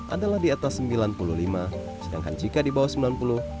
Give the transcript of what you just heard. adalah di atas sembilan puluh lima sedangkan jika di bawah sembilan puluh